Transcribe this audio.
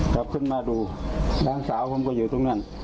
กลับขึ้นมาดูน้องสาวผมก็อยู่ตรงนั้น